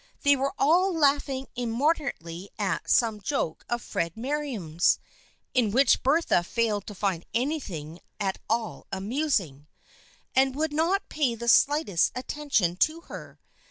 They were all laughing immoderately at some joke of Fred Merriam's (in which Bertha failed to find anything at all amusing), and would not pay the slightest attention to her.